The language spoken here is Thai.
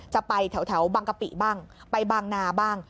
จะไปแถวบางกะปิบ้างไปบางนาบ้าง